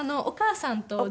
お母さんと？